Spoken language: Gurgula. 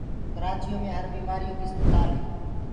ڪرآچيو مي هر بيمآريو ڪيٚ آسپتآلينٚ هينٚ